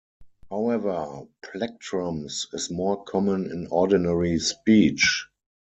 However, "plectrums" is more common in ordinary speech.